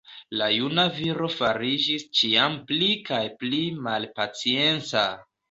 La juna viro fariĝis ĉiam pli kaj pli malpacienca.